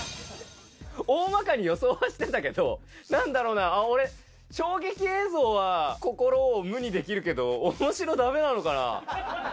大まかに予想はしてたけど、なんだろうな、俺、衝撃映像は心を無にできるけど、おもしろだめなのかな。